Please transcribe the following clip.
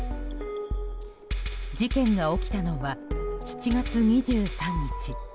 事件が起きたのは７月２３日。